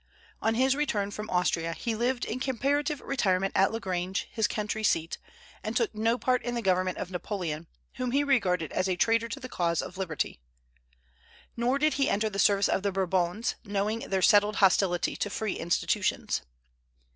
On his return from Austria, he lived in comparative retirement at La Grange, his country seat, and took no part in the government of Napoleon, whom he regarded as a traitor to the cause of liberty. Nor did he enter the service of the Bourbons, knowing their settled hostility to free institutions.